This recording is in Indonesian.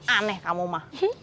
aneh kamu mah